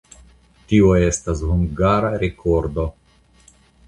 Tio estas hungara rekordo.